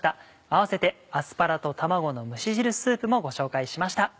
合わせて「アスパラと卵の蒸し汁スープ」もご紹介しました。